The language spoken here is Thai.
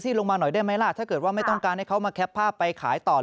ลงมาหน่อยได้ไหมล่ะถ้าเกิดว่าไม่ต้องการให้เขามาแคปภาพไปขายต่อ